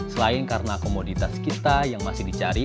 selain karena komoditas kita yang masih dicari